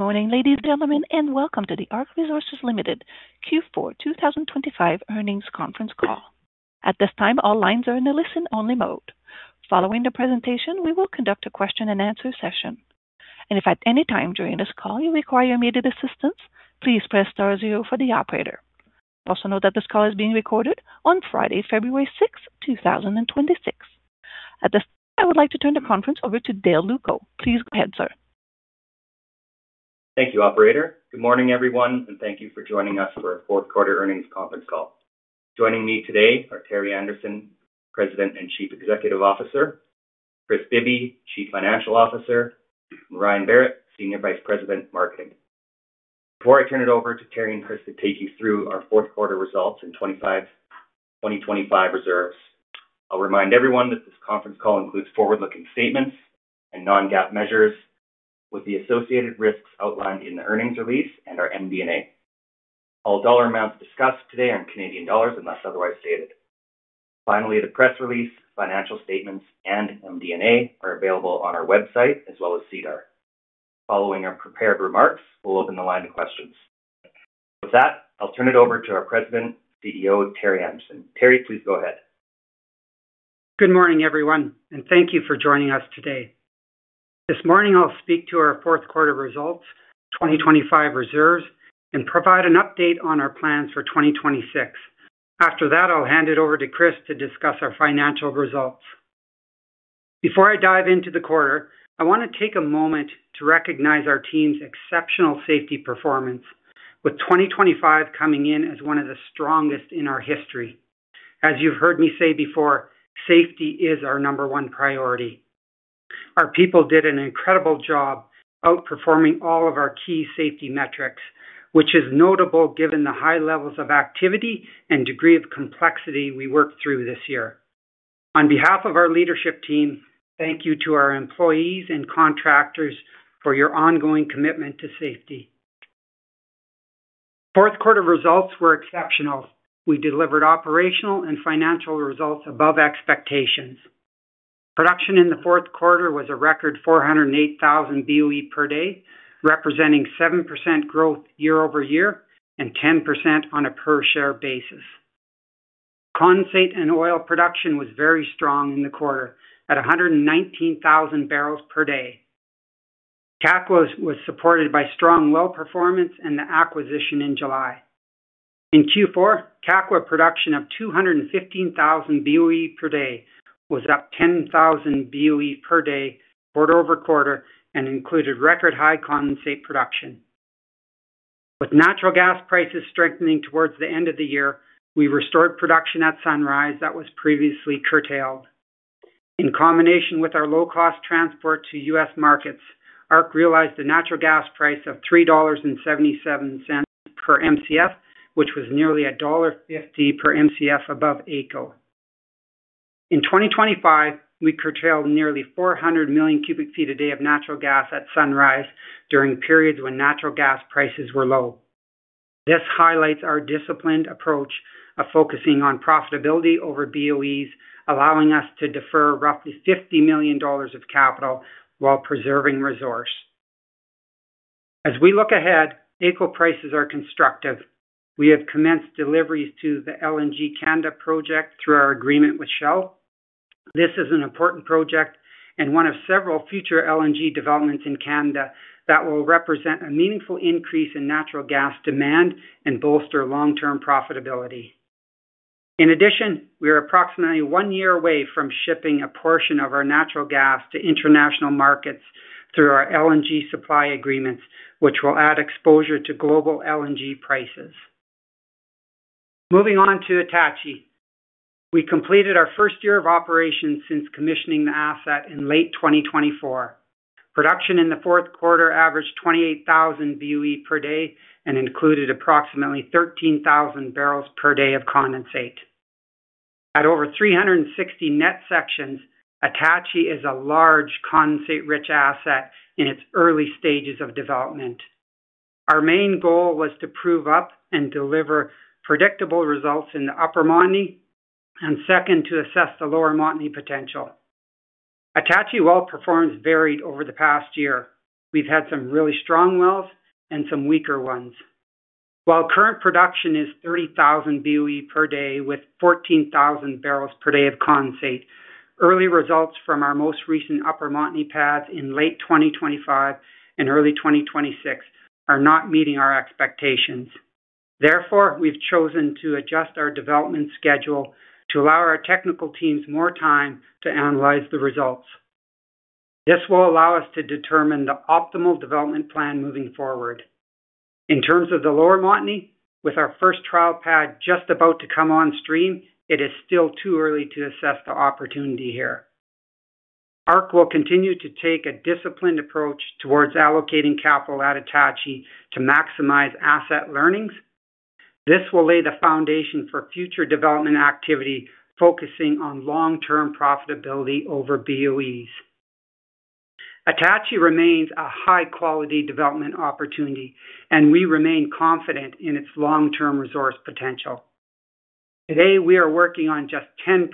Good morning, ladies and gentlemen, and welcome to the ARC Resources Ltd. Q4 2025 Earnings Conference Call. At this time, all lines are in a listen-only mode. Following the presentation, we will conduct a question-and-answer session. If at any time during this call you require immediate assistance, please press star zero for the operator. Also note that this call is being recorded on Friday, February 6, 2026. At this time, I would like to turn the conference over to Dale Louko. Please go ahead, sir. Thank you, operator. Good morning, everyone, and thank you for joining us for our fourth-quarter earnings conference call. Joining me today are Terry Anderson, President and Chief Executive Officer, Kris Bibby, Chief Financial Officer, and Ryan Berrett, Senior Vice President, Marketing. Before I turn it over to Terry and Kris to take you through our fourth-quarter results and 2025 reserves, I'll remind everyone that this conference call includes forward-looking statements and non-GAAP measures with the associated risks outlined in the earnings release and our MD&A. All dollar amounts discussed today are in Canadian dollars unless otherwise stated. Finally, the press release, financial statements, and MD&A are available on our website as well as SEDAR+. Following our prepared remarks, we'll open the line to questions. With that, I'll turn it over to our President, CEO Terry Anderson. Terry, please go ahead. Good morning, everyone, and thank you for joining us today. This morning I'll speak to our fourth-quarter results, 2025 reserves, and provide an update on our plans for 2026. After that, I'll hand it over to Kris to discuss our financial results. Before I dive into the quarter, I want to take a moment to recognize our team's exceptional safety performance, with 2025 coming in as one of the strongest in our history. As you've heard me say before, safety is our number one priority. Our people did an incredible job outperforming all of our key safety metrics, which is notable given the high levels of activity and degree of complexity we worked through this year. On behalf of our leadership team, thank you to our employees and contractors for your ongoing commitment to safety. Fourth-quarter results were exceptional. We delivered operational and financial results above expectations. Production in the fourth quarter was a record 408,000 BOE per day, representing 7% growth year-over-year and 10% on a per-share basis. Condensate and oil production was very strong in the quarter, at 119,000 barrels per day. Kakwa was supported by strong well performance and the acquisition in July. In Q4, Kakwa production of 215,000 BOE per day was up 10,000 BOE per day quarter-over-quarter and included record high condensate production. With natural gas prices strengthening towards the end of the year, we restored production at Sunrise that was previously curtailed. In combination with our low-cost transport to U.S. markets, ARC realized a natural gas price of $3.77 per MCF, which was nearly $1.50 per MCF above AECO. In 2025, we curtailed nearly 400 million cubic feet a day of natural gas at Sunrise during periods when natural gas prices were low. This highlights our disciplined approach of focusing on profitability over BOEs, allowing us to defer roughly 50 million dollars of capital while preserving resource. As we look ahead, AECO prices are constructive. We have commenced deliveries to the LNG Canada project through our agreement with Shell. This is an important project and one of several future LNG developments in Canada that will represent a meaningful increase in natural gas demand and bolster long-term profitability. In addition, we are approximately one year away from shipping a portion of our natural gas to international markets through our LNG supply agreements, which will add exposure to global LNG prices. Moving on to Attachie. We completed our first year of operations since commissioning the asset in late 2024. Production in the fourth quarter averaged 28,000 BOE per day and included approximately 13,000 barrels per day of condensate. At over 360 net sections, Attachie is a large condensate-rich asset in its early stages of development. Our main goal was to prove up and deliver predictable results in the Upper Montney, and second to assess the lower Montney potential. Attachie well performance varied over the past year. We've had some really strong wells and some weaker ones. While current production is 30,000 BOE per day with 14,000 barrels per day of condensate, early results from our most recent Upper Montney pads in late 2025 and early 2026 are not meeting our expectations. Therefore, we've chosen to adjust our development schedule to allow our technical teams more time to analyze the results. This will allow us to determine the optimal development plan moving forward. In terms of the Lower Montney, with our first trial pad just about to come on stream, it is still too early to assess the opportunity here. ARC will continue to take a disciplined approach towards allocating capital at Attachie to maximize asset learnings. This will lay the foundation for future development activity focusing on long-term profitability over BOEs. Attachie remains a high-quality development opportunity, and we remain confident in its long-term resource potential. Today, we are working on just 10%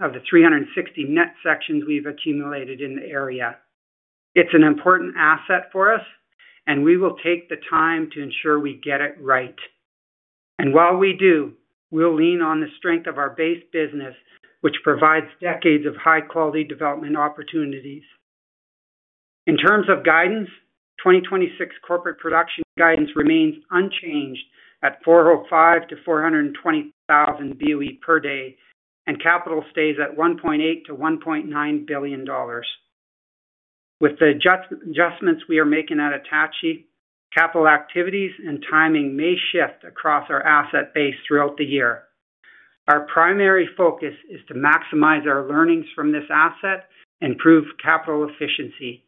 of the 360 net sections we've accumulated in the area. It's an important asset for us, and we will take the time to ensure we get it right. And while we do, we'll lean on the strength of our base business, which provides decades of high-quality development opportunities. In terms of guidance, 2026 corporate production guidance remains unchanged at 405,000-420,000 BOE per day, and capital stays at 1.8 billion-1.9 billion dollars. With the adjustments we are making at Attachie, capital activities and timing may shift across our asset base throughout the year. Our primary focus is to maximize our learnings from this asset and prove capital efficiency.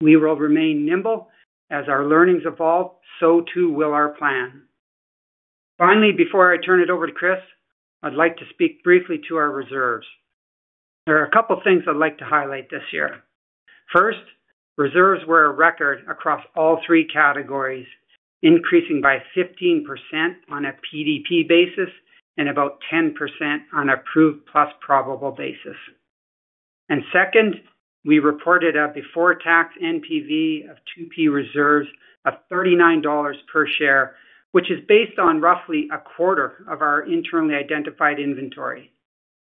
We will remain nimble. As our learnings evolve, so too will our plan. Finally, before I turn it over to Kris, I'd like to speak briefly to our reserves. There are a couple of things I'd like to highlight this year. First, reserves were a record across all three categories, increasing by 15% on a PDP basis and about 10% on a proved plus probable basis. And second, we reported a before-tax NPV of 2P reserves of 39 dollars per share, which is based on roughly a quarter of our internally identified inventory.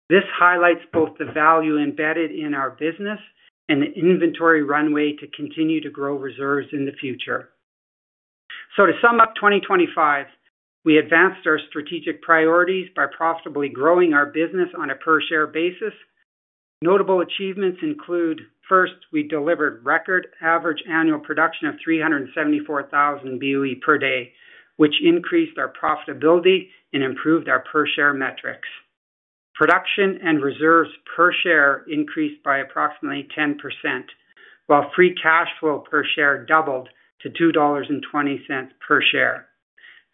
This highlights both the value embedded in our business and the inventory runway to continue to grow reserves in the future. So, to sum up 2025, we advanced our strategic priorities by profitably growing our business on a per-share basis. Notable achievements include: First, we delivered record average annual production of 374,000 BOE per day, which increased our profitability and improved our per-share metrics. Production and reserves per share increased by approximately 10%, while free cash flow per share doubled to 2.20 dollars per share.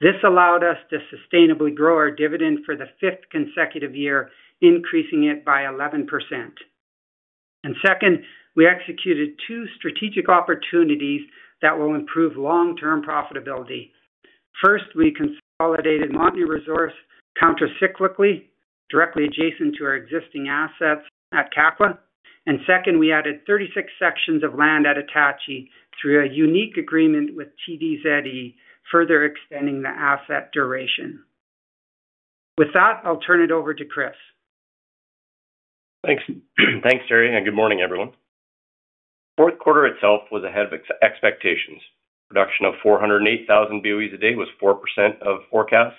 This allowed us to sustainably grow our dividend for the fifth consecutive year, increasing it by 11%. And second, we executed two strategic opportunities that will improve long-term profitability. First, we consolidated Montney resource countercyclically, directly adjacent to our existing assets at Kakwa. And second, we added 36 sections of land at Attachie through a unique agreement with TDZE, further extending the asset duration. With that, I'll turn it over to Kris. Thanks. Thanks, Terry, and good morning, everyone. Fourth quarter itself was ahead of expectations. Production of 408,000 BOEs a day was 4% of forecast,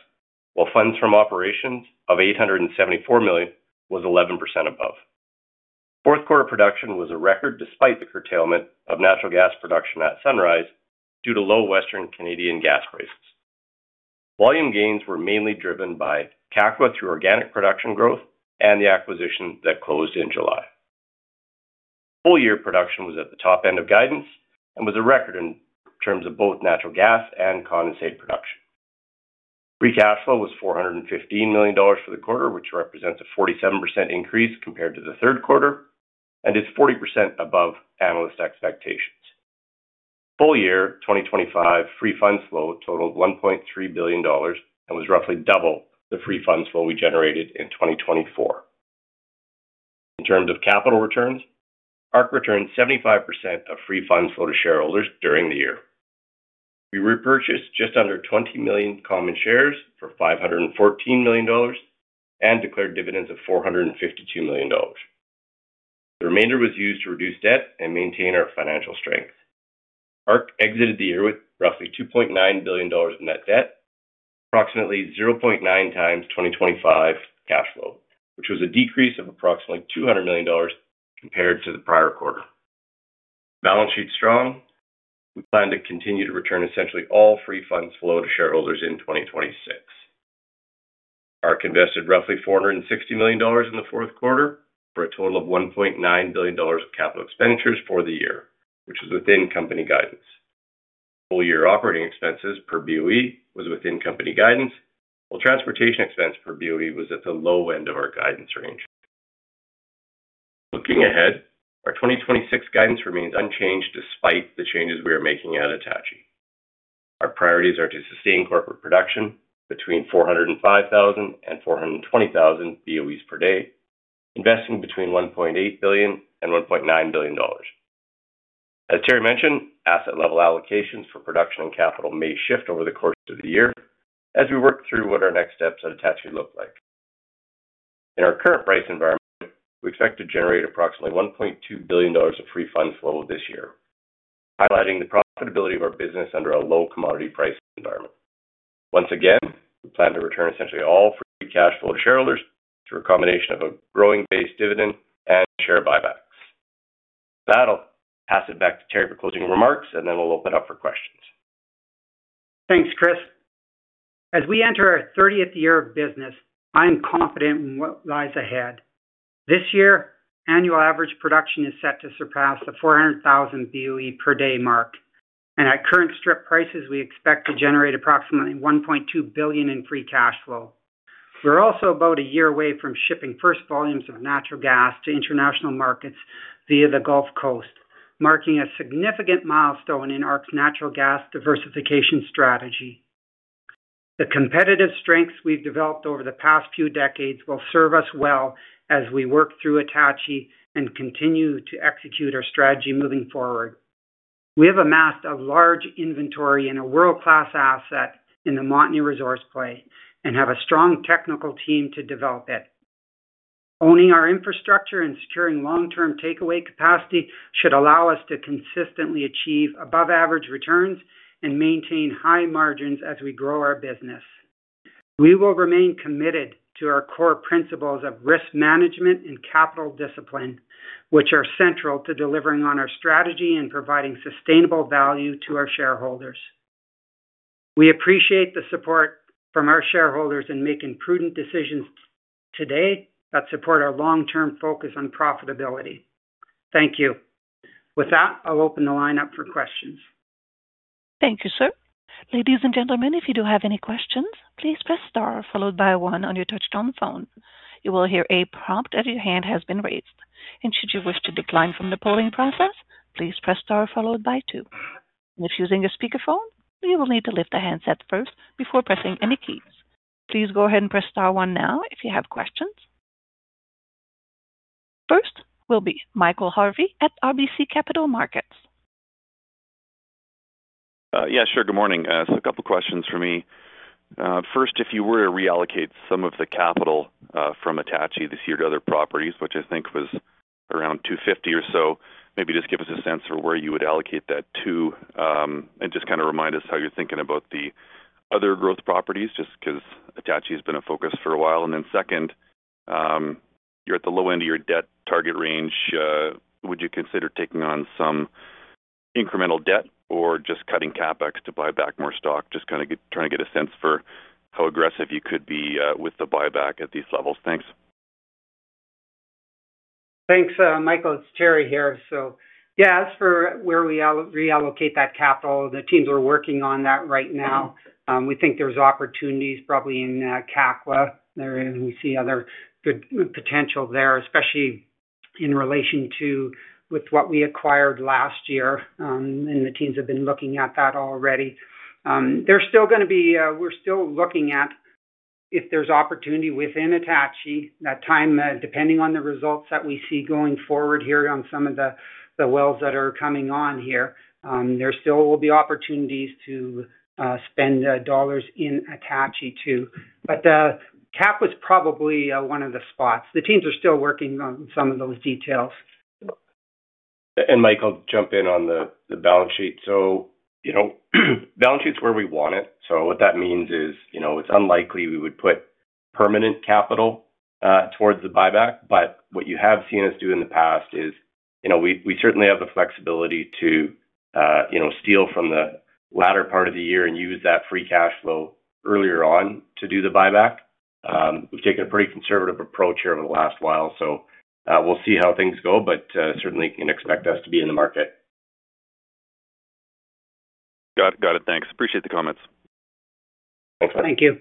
while funds from operations of 874 million was 11% above. Fourth quarter production was a record despite the curtailment of natural gas production at Sunrise due to low Western Canadian gas prices. Volume gains were mainly driven by Kakwa through organic production growth and the acquisition that closed in July. Full-year production was at the top end of guidance and was a record in terms of both natural gas and condensate production. Free cash flow was 415 million dollars for the quarter, which represents a 47% increase compared to the third quarter, and it's 40% above analyst expectations. Full-year 2025 free funds flow totaled 1.3 billion dollars and was roughly double the free funds flow we generated in 2024. In terms of capital returns, ARC returned 75% of free funds flow to shareholders during the year. We repurchased just under 20 million common shares for 514 million dollars and declared dividends of 452 million dollars. The remainder was used to reduce debt and maintain our financial strength. ARC exited the year with roughly 2.9 billion dollars of net debt, approximately 0.9 times 2025 cash flow, which was a decrease of approximately 200 million dollars compared to the prior quarter. Balance sheet strong. We plan to continue to return essentially all free funds flow to shareholders in 2026. ARC invested roughly 460 million dollars in the fourth quarter for a total of 1.9 billion dollars of capital expenditures for the year, which was within company guidance. Full-year operating expenses per BOE was within company guidance, while transportation expense per BOE was at the low end of our guidance range. Looking ahead, our 2026 guidance remains unchanged despite the changes we are making at Attachie. Our priorities are to sustain corporate production between 405,000 and 420,000 BOE/d, investing between 1.8 billion and 1.9 billion dollars. As Terry mentioned, asset-level allocations for production and capital may shift over the course of the year as we work through what our next steps at Attachie look like. In our current price environment, we expect to generate approximately 1.2 billion dollars of free funds flow this year, highlighting the profitability of our business under a low commodity price environment. Once again, we plan to return essentially all free cash flow to shareholders through a combination of a growing base dividend and share buybacks. With that, I'll pass it back to Terry for closing remarks, and then we'll open up for questions. Thanks, Kris. As we enter our 30th year of business, I'm confident in what lies ahead. This year, annual average production is set to surpass the 400,000 BOE per day mark, and at current strip prices, we expect to generate approximately 1.2 billion in free cash flow. We're also about a year away from shipping first volumes of natural gas to international markets via the Gulf Coast, marking a significant milestone in ARC's natural gas diversification strategy. The competitive strengths we've developed over the past few decades will serve us well as we work through Attachie and continue to execute our strategy moving forward. We have amassed a large inventory and a world-class asset in the Montney resource play and have a strong technical team to develop it. Owning our infrastructure and securing long-term takeaway capacity should allow us to consistently achieve above-average returns and maintain high margins as we grow our business. We will remain committed to our core principles of risk management and capital discipline, which are central to delivering on our strategy and providing sustainable value to our shareholders. We appreciate the support from our shareholders in making prudent decisions today that support our long-term focus on profitability. Thank you. With that, I'll open the line up for questions. Thank you, sir. Ladies and gentlemen, if you do have any questions, please press star followed by one on your touch-tone phone. You will hear a prompt that your hand has been raised. And should you wish to decline from the polling process, please press star followed by two. And if using a speakerphone, you will need to lift the handset first before pressing any keys. Please go ahead and press star one now if you have questions. First will be Michael Harvey at RBC Capital Markets. Yeah, sure. Good morning. A couple of questions for me. First, if you were to reallocate some of the capital from Attachie this year to other properties, which I think was around 250 or so, maybe just give us a sense for where you would allocate that to and just kind of remind us how you're thinking about the other growth properties, just because Attachie has been a focus for a while. And then second, you're at the low end of your debt target range. Would you consider taking on some incremental debt or just cutting CapEx to buy back more stock, just kind of trying to get a sense for how aggressive you could be with the buyback at these levels? Thanks. Thanks, Michael. It's Terry here. So yeah, as for where we reallocate that capital, the teams are working on that right now. We think there's opportunities probably in Kakwa. We see other good potential there, especially in relation to what we acquired last year, and the teams have been looking at that already. We're still looking at if there's opportunity within Attachie at that time, depending on the results that we see going forward here on some of the wells that are coming on here. There still will be opportunities to spend dollars in Attachie too. But Kakwa was probably one of the spots. The teams are still working on some of those details. Michael, jump in on the balance sheet. Balance sheet's where we want it. What that means is it's unlikely we would put permanent capital towards the buyback. But what you have seen us do in the past is we certainly have the flexibility to steal from the latter part of the year and use that free cash flow earlier on to do the buyback. We've taken a pretty conservative approach here over the last while, so we'll see how things go, but certainly can expect us to be in the market. Got it. Got it. Thanks. Appreciate the comments. Thanks, Michael. Thank you.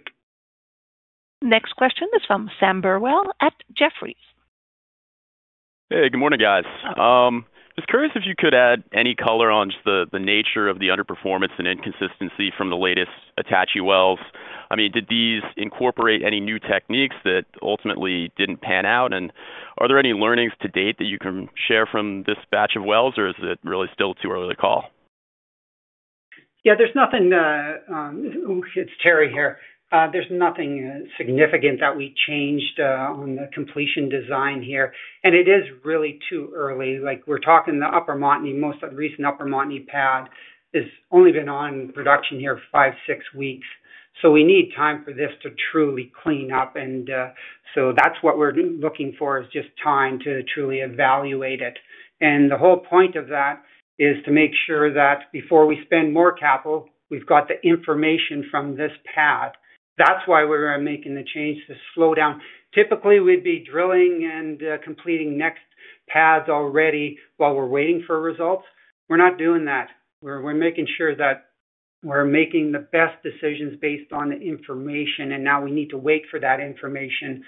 Next question is from Sam Burwell at Jefferies. Hey, good morning, guys. Just curious if you could add any color on just the nature of the underperformance and inconsistency from the latest Attachie wells. I mean, did these incorporate any new techniques that ultimately didn't pan out? And are there any learnings to date that you can share from this batch of wells, or is it really still too early to call? Yeah, there's nothing. Oh, it's Terry here. There's nothing significant that we changed on the completion design here, and it is really too early. We're talking the Upper Montney. Most of the recent Upper Montney pad has only been on production here five, six weeks. So we need time for this to truly clean up. And so that's what we're looking for, is just time to truly evaluate it. And the whole point of that is to make sure that before we spend more capital, we've got the information from this pad. That's why we're making the change, this slowdown. Typically, we'd be drilling and completing next pads already while we're waiting for results. We're not doing that. We're making sure that we're making the best decisions based on the information, and now we need to wait for that information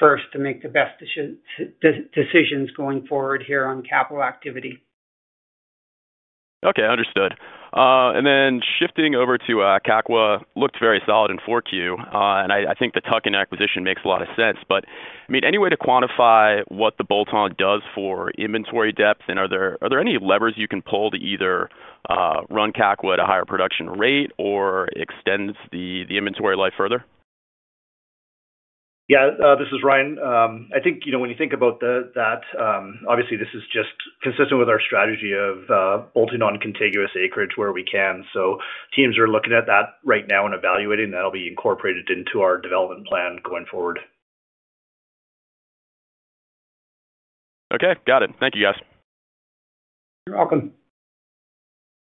first to make the best decisions going forward here on capital activity. Okay, understood. And then shifting over to Kakwa, looked very solid in 4Q, and I think the tuck-in acquisition makes a lot of sense. But I mean, any way to quantify what the bolt-on does for inventory depth? And are there any levers you can pull to either run Kakwa at a higher production rate or extend the inventory life further? Yeah, this is Ryan. I think when you think about that, obviously, this is just consistent with our strategy of bolting on contiguous acreage where we can. So teams are looking at that right now and evaluating, and that'll be incorporated into our development plan going forward. Okay, got it. Thank you, guys. You're welcome.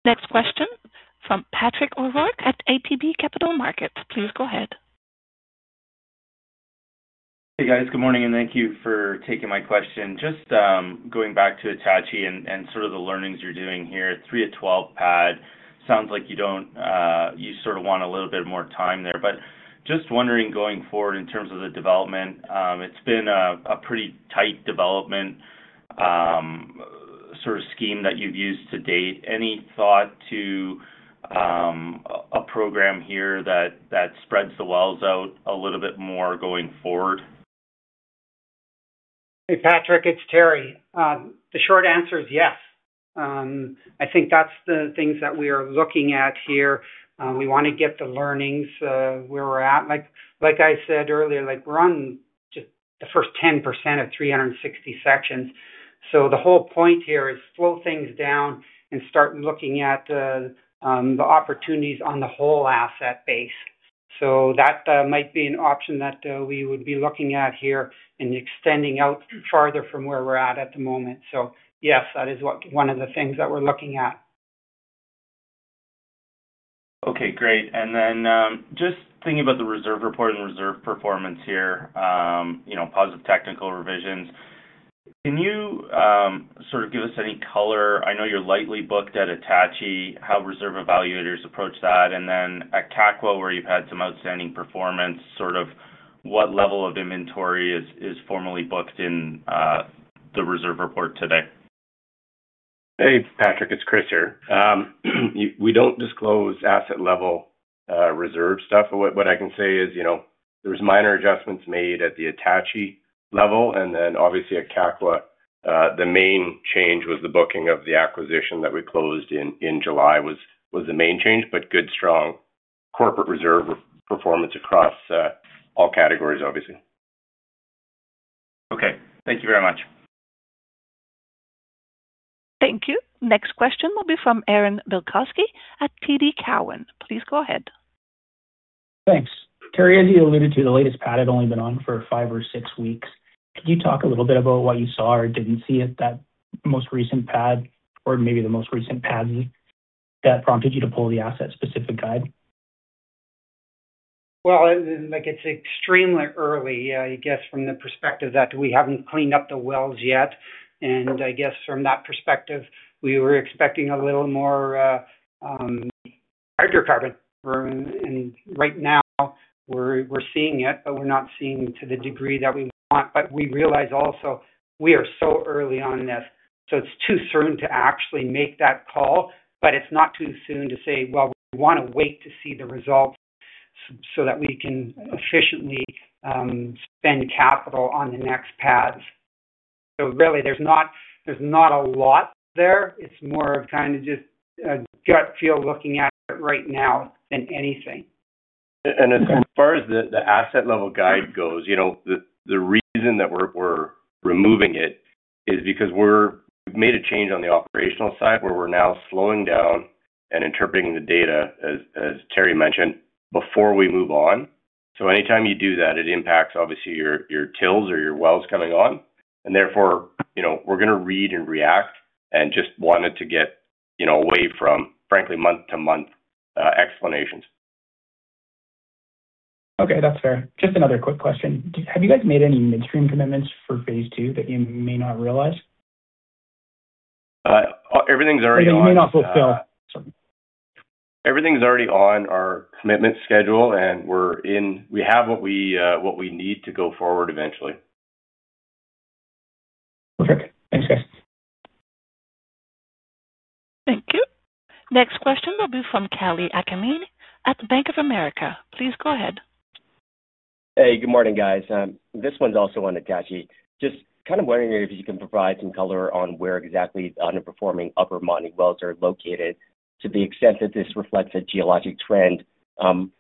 Next question from Patrick O'Rourke at ATB Capital Markets. Please go ahead. Hey, guys. Good morning, and thank you for taking my question. Just going back to Attachie and sort of the learnings you're doing here, 3-12 pad, sounds like you sort of want a little bit more time there. But just wondering going forward in terms of the development, it's been a pretty tight development sort of scheme that you've used to date. Any thought to a program here that spreads the wells out a little bit more going forward? Hey, Patrick, it's Terry. The short answer is yes. I think that's the things that we are looking at here. We want to get the learnings where we're at. Like I said earlier, we're on just the first 10% of 360 sections. So the whole point here is slow things down and start looking at the opportunities on the whole asset base. So that might be an option that we would be looking at here and extending out farther from where we're at at the moment. So yes, that is one of the things that we're looking at. Okay, great. And then just thinking about the reserve report and reserve performance here, positive technical revisions, can you sort of give us any color? I know you're lightly booked at Attachie, how reserve evaluators approach that. And then at Kakwa, where you've had some outstanding performance, sort of what level of inventory is formally booked in the reserve report today? Hey, Patrick, it's Chris here. We don't disclose asset-level reserve stuff. What I can say is there were minor adjustments made at the Attachie level, and then obviously, at Kakwa, the main change was the booking of the acquisition that we closed in July was the main change, but good, strong corporate reserve performance across all categories, obviously. Okay. Thank you very much. Thank you. Next question will be from Aaron Bilkoski at TD Cowen. Please go ahead. Thanks. Terry, as you alluded to, the latest pad had only been on for five or six weeks. Could you talk a little bit about what you saw or didn't see at that most recent pad, or maybe the most recent pads that prompted you to pull the asset-specific guide? Well, it's extremely early, I guess, from the perspective that we haven't cleaned up the wells yet. I guess from that perspective, we were expecting a little more hydrocarbon. Right now, we're seeing it, but we're not seeing to the degree that we want. We realize also we are so early on this. It's too soon to actually make that call, but it's not too soon to say, "Well, we want to wait to see the results so that we can efficiently spend capital on the next pads." Really, there's not a lot there. It's more of kind of just a gut feel looking at it right now than anything. As far as the asset-level guide goes, the reason that we're removing it is because we've made a change on the operational side where we're now slowing down and interpreting the data, as Terry mentioned, before we move on. So anytime you do that, it impacts, obviously, your drills or your wells coming on. And therefore, we're going to read and react and just wanted to get away from, frankly, month-to-month explanations. Okay, that's fair. Just another quick question. Have you guys made any midstream commitments for phase two that you may not realize? Everything's already on. That you may not fulfill. Sorry. Everything's already on our commitment schedule, and we have what we need to go forward eventually. Perfect. Thanks, guys. Thank you. Next question will be from Kalei Akamine at Bank of America. Please go ahead. Hey, good morning, guys. This one's also on Attachie. Just kind of wondering if you can provide some color on where exactly the underperforming Upper Montney wells are located to the extent that this reflects a geologic trend.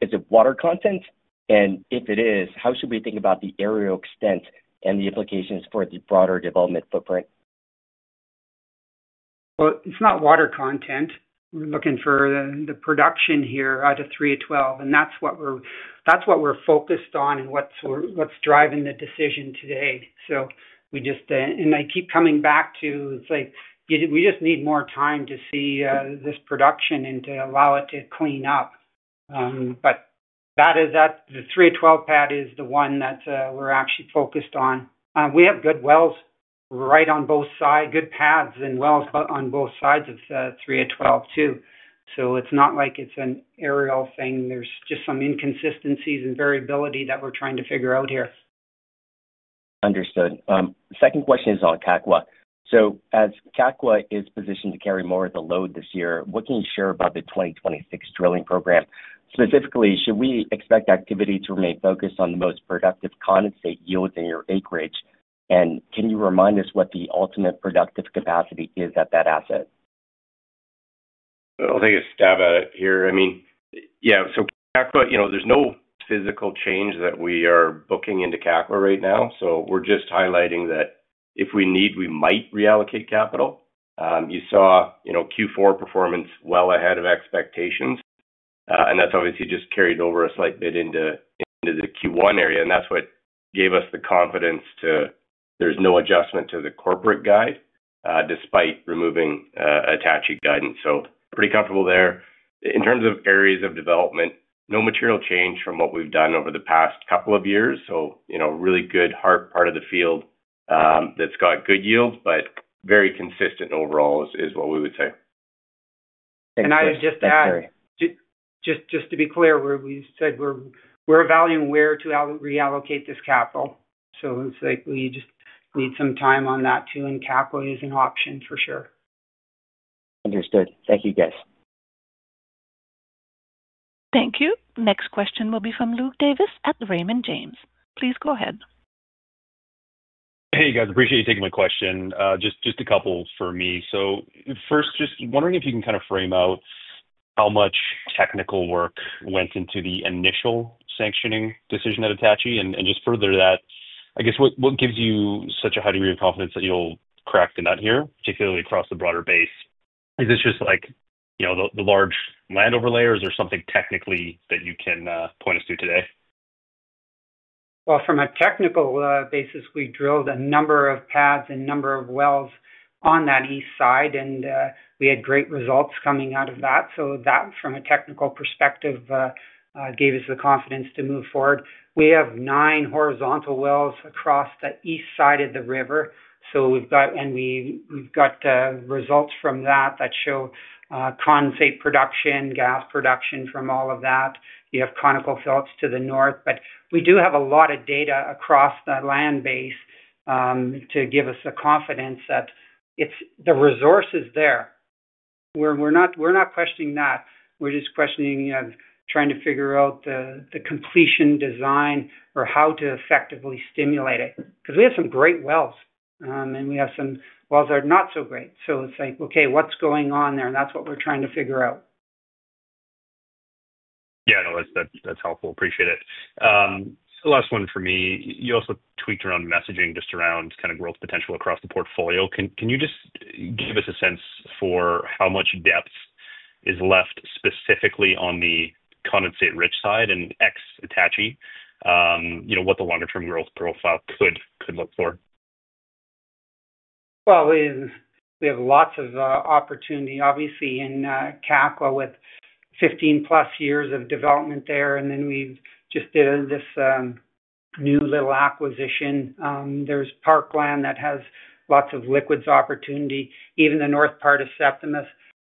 Is it water content? And if it is, how should we think about the area extent and the implications for the broader development footprint? Well, it's not water content. We're looking for the production here out of 3-12, and that's what we're focused on and what's driving the decision today. And I keep coming back to it's like we just need more time to see this production and to allow it to clean up. But the 3-12 pad is the one that we're actually focused on. We have good wells right on both sides, good pads and wells on both sides of 3-12 too. So it's not like it's an aerial thing. There's just some inconsistencies and variability that we're trying to figure out here. Understood. Second question is on Kakwa. So as Kakwa is positioned to carry more of the load this year, what can you share about the 2026 drilling program? Specifically, should we expect activity to remain focused on the most productive condensate yields in your acreage? And can you remind us what the ultimate productive capacity is at that asset? I'll take a stab at it here. I mean, yeah, so Kakwa, there's no physical change that we are booking into Kakwa right now. So we're just highlighting that if we need, we might reallocate capital. You saw Q4 performance well ahead of expectations, and that's obviously just carried over a slight bit into the Q1 area. And that's what gave us the confidence to there's no adjustment to the corporate guide despite removing Attachie guidance. So pretty comfortable there. In terms of areas of development, no material change from what we've done over the past couple of years. So really good heart part of the field that's got good yields, but very consistent overall is what we would say. I would just add. Thanks, Terry. Just to be clear, we said we're evaluating where to reallocate this capital. So it's like we just need some time on that too, and Kakwa is an option for sure. Understood. Thank you, guys. Thank you. Next question will be from Luke Davis at Raymond James. Please go ahead. Hey, guys. Appreciate you taking my question. Just a couple for me. So first, just wondering if you can kind of frame out how much technical work went into the initial sanctioning decision at Attachie. And just further that, I guess, what gives you such a high degree of confidence that you'll crack the nut here, particularly across the broader base? Is this just the large land overlay or is there something technically that you can point us to today? Well, from a technical basis, we drilled a number of pads and a number of wells on that east side, and we had great results coming out of that. So that, from a technical perspective, gave us the confidence to move forward. We have nine horizontal wells across the east side of the river, and we've got results from that that show condensate production, gas production from all of that. You have Conoco fields to the north. But we do have a lot of data across the land base to give us the confidence that the resource is there. We're not questioning that. We're just questioning trying to figure out the completion design or how to effectively stimulate it because we have some great wells, and we have some wells that are not so great. So it's like, "Okay, what's going on there?" And that's what we're trying to figure out. Yeah, no, that's helpful. Appreciate it. Last one for me. You also tweaked around messaging just around kind of growth potential across the portfolio. Can you just give us a sense for how much depth is left specifically on the condensate-rich side and ex-Attachie, what the longer-term growth profile could look for? Well, we have lots of opportunity, obviously, in Kakwa with 15+ years of development there. And then we just did this new little acquisition. There's Parkland that has lots of liquids opportunity, even the north part of Septimus.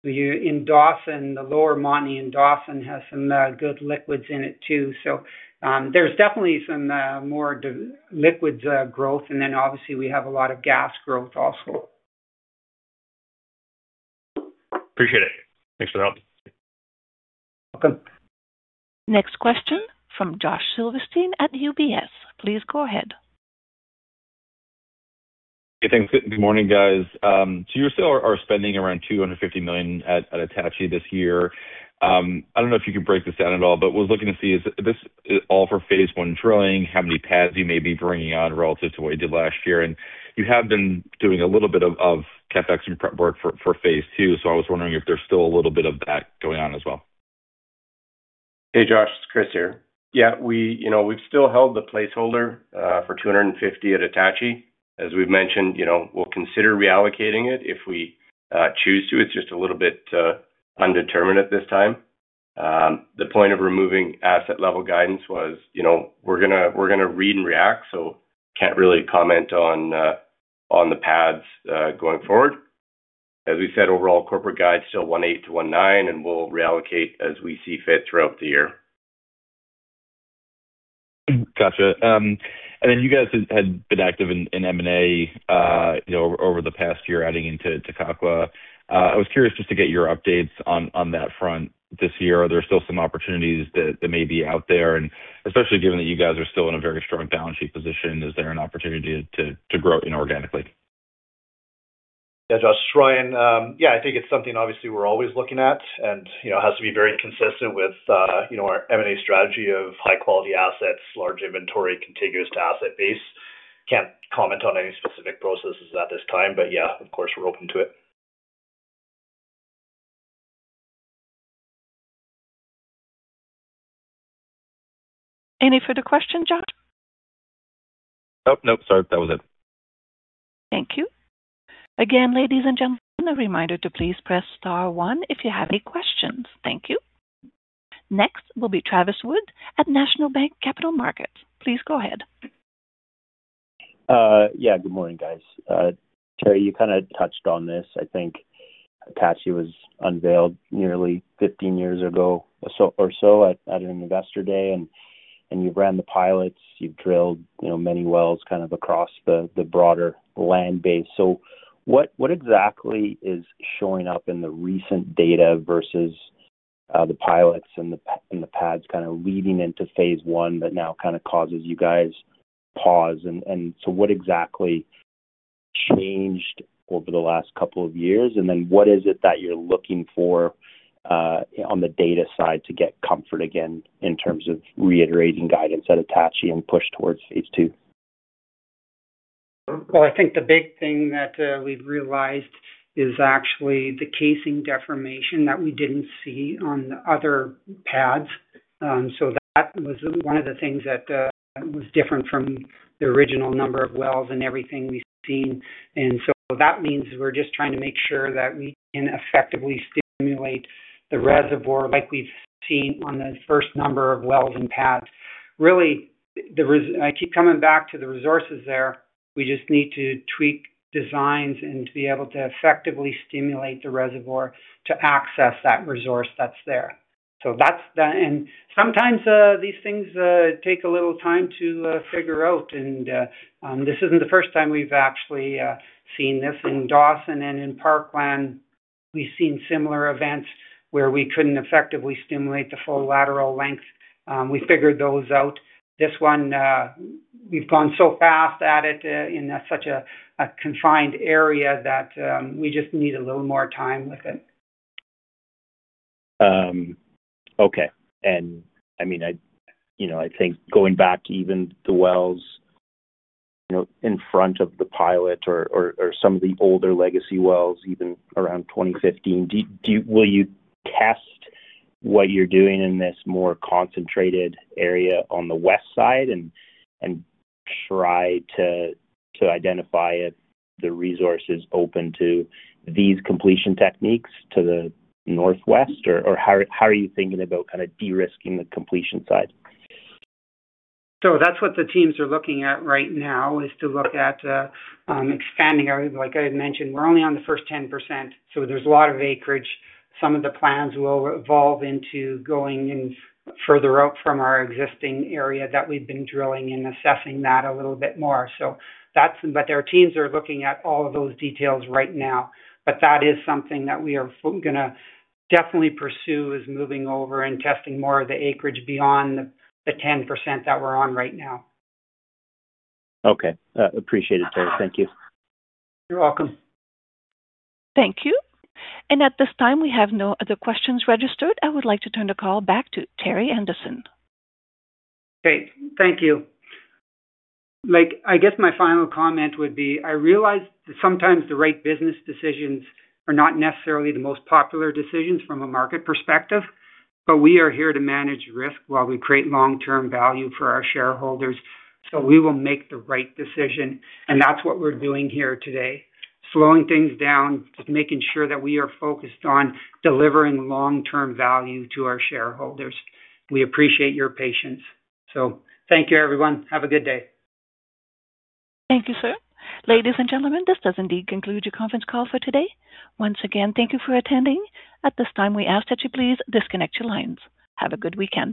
The lower Montney in Dawson has some good liquids in it too. So there's definitely some more liquids growth. And then, obviously, we have a lot of gas growth also. Appreciate it. Thanks for the help. Welcome. Next question from Josh Silverstein at UBS. Please go ahead. Hey, thanks. Good morning, guys. So you still are spending around 250 million at Attachie this year. I don't know if you can break this down at all, but what I was looking to see is, is this all for phase one drilling? How many pads you may be bringing on relative to what you did last year? And you have been doing a little bit of CAPEX and prep work for phase two. So I was wondering if there's still a little bit of that going on as well. Hey, Josh. It's Kris here. Yeah, we've still held the placeholder for 250 at Attachie. As we've mentioned, we'll consider reallocating it if we choose to. It's just a little bit undetermined at this time. The point of removing asset-level guidance was we're going to read and react, so can't really comment on the pads going forward. As we said, overall, corporate guide still 1.8-1.9, and we'll reallocate as we see fit throughout the year. Gotcha. And then you guys had been active in M&A over the past year, adding into Kakwa. I was curious just to get your updates on that front this year. Are there still some opportunities that may be out there? And especially given that you guys are still in a very strong balance sheet position, is there an opportunity to grow inorganically? Yeah, Josh. Ryan, yeah, I think it's something, obviously, we're always looking at and has to be very consistent with our M&A strategy of high-quality assets, large inventory, contiguous to asset base. Can't comment on any specific processes at this time. But yeah, of course, we're open to it. Any further questions, Josh? Nope. Nope. Sorry. That was it. Thank you. Again, ladies and gentlemen, a reminder to please press star one if you have any questions. Thank you. Next will be Travis Wood at National Bank Capital Markets. Please go ahead. Yeah, good morning, guys. Terry, you kind of touched on this. I think Attachie was unveiled nearly 15 years ago or so at an investor day, and you've ran the pilots. You've drilled many wells kind of across the broader land base. So what exactly is showing up in the recent data versus the pilots and the pads kind of leading into phase one that now kind of causes you guys to pause? And so what exactly changed over the last couple of years? And then what is it that you're looking for on the data side to get comfort again in terms of reiterating guidance at Attachie and push towards phase two? Well, I think the big thing that we've realized is actually the casing deformation that we didn't see on the other pads. So that was one of the things that was different from the original number of wells and everything we've seen. And so that means we're just trying to make sure that we can effectively stimulate the reservoir like we've seen on the first number of wells and pads. Really, I keep coming back to the resources there. We just need to tweak designs and to be able to effectively stimulate the reservoir to access that resource that's there. And sometimes these things take a little time to figure out. And this isn't the first time we've actually seen this. In Dawson and in Parkland, we've seen similar events where we couldn't effectively stimulate the full lateral length. We figured those out. This one, we've gone so fast at it in such a confined area that we just need a little more time with it. Okay. And I mean, I think going back, even the wells in front of the pilot or some of the older legacy wells, even around 2015, will you test what you're doing in this more concentrated area on the west side and try to identify the resources open to these completion techniques to the northwest? Or how are you thinking about kind of de-risking the completion side? So that's what the teams are looking at right now, is to look at expanding. Like I had mentioned, we're only on the first 10%. So there's a lot of acreage. Some of the plans will evolve into going further out from our existing area that we've been drilling and assessing that a little bit more. But their teams are looking at all of those details right now. But that is something that we are going to definitely pursue is moving over and testing more of the acreage beyond the 10% that we're on right now. Okay. Appreciate it, Terry. Thank you. You're welcome. Thank you. At this time, we have no other questions registered. I would like to turn the call back to Terry Anderson. Great. Thank you. I guess my final comment would be, I realize that sometimes the right business decisions are not necessarily the most popular decisions from a market perspective. But we are here to manage risk while we create long-term value for our shareholders. So we will make the right decision. And that's what we're doing here today, slowing things down, just making sure that we are focused on delivering long-term value to our shareholders. We appreciate your patience. So thank you, everyone. Have a good day. Thank you, sir. Ladies and gentlemen, this does indeed conclude your conference call for today. Once again, thank you for attending. At this time, we ask that you please disconnect your lines. Have a good weekend.